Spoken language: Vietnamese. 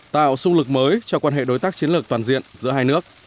tạo xung lực mới cho quan hệ đối tác chiến lược toàn diện giữa hai nước